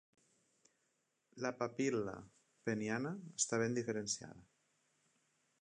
La papil·la peniana està ben diferenciada.